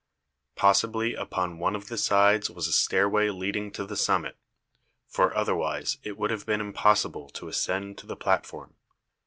Possibly upon one of the sides was a stairway leading to the summit, for otherwise it would have been impossible to ascend to the plat form.